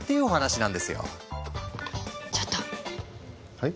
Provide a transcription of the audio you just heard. はい？